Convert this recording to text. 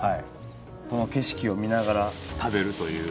この景色を見ながら食べるという。